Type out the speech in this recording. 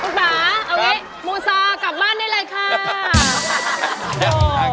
คุณป่าเอางี้มูซากลับบ้านได้เลยค่ะ